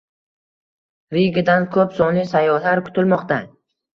Rigadan ko‘p sonli sayyohlar kutilmoqda